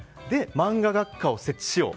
マンガ学科を設置しよう。